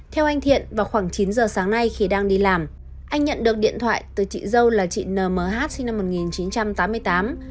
theo anh thiện vào khoảng chín giờ sáng nay khi đang đi làm anh nhận được điện thoại từ chị dâu là chị mh sinh năm một nghìn chín trăm tám mươi tám